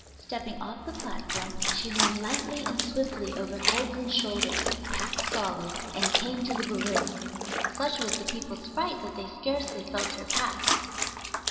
Stepping off the platform, she ran lightly and swiftly over heads and shoulders, packed solid, and came to the balloon. Such was the people's fright that they scarcely felt her pass.